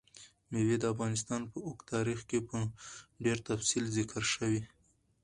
مېوې د افغانستان په اوږده تاریخ کې په ډېر تفصیل ذکر شوي.